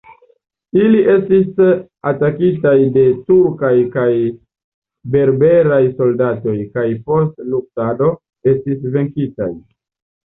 Ili estis atakitaj de turkaj kaj berberaj soldatoj, kaj post luktado, estis venkitaj.